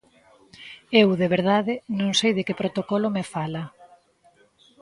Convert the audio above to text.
Eu, de verdade, non sei de que protocolo me fala.